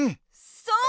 そう！